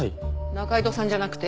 仲井戸さんじゃなくて？